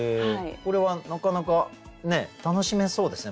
これはなかなか楽しめそうですね。